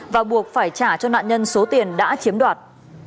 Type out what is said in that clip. và buộc phải trả cho nạn nhân số tiền đã chiếm đoạt